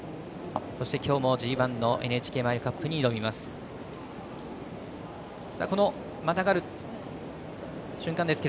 きょうもＧＩのＮＨＫマイルカップに挑みます。